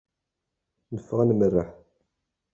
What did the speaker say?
Neffeɣ ad nmerreḥ.